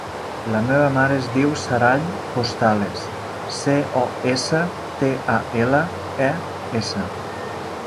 La meva mare es diu Saray Costales: ce, o, essa, te, a, ela, e, essa.